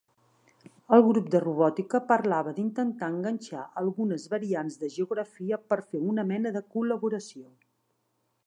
El grup de robòtica parlava d'intentar enganxar algunes variants de geografia per fer una mena de col·laboració.